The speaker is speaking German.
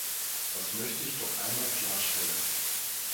Das möchte ich doch einmal klarstellen.